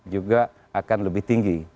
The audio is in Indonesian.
juga akan lebih tinggi